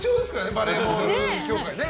バレーボール協会の。